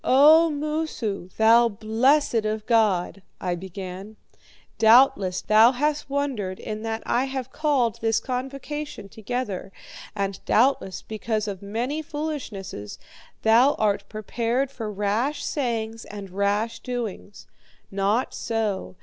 "'O Moosu, thou blessed of God,' I began, 'doubtless thou hast wondered in that I have called this convocation together; and doubtless, because of my many foolishnesses, art thou prepared for rash sayings and rash doings. Not so.